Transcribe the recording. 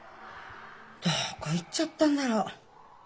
どこ行っちゃったんだろ？